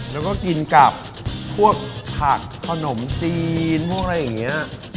แล้วก็กินกับพวกผักขนมจีนพวกอะไรอย่างนี้